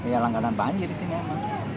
iya langganan banjir disini emang